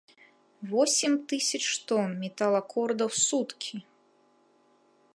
Восем тысяч тон металакорда ў суткі!